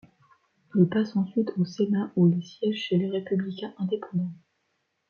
Il passe ensuite au Sénat, où il siège chez les Républicains indépendants.